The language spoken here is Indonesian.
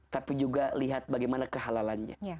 tapi juga lihat bagaimana kehalalannya